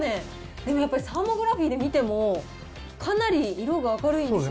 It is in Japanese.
でもやっぱりサーモグラフィで見ても、かなり色が明るいんですよ